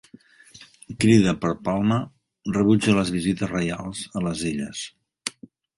Crida per Palma rebutja les visites reials a les Illes